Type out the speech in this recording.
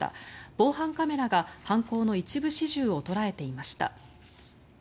防犯カメラが犯行の一部始終を捉えていました。